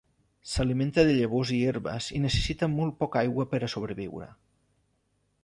S'alimenta de llavors i herbes i necessita molt poca aigua per a sobreviure.